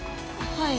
はい。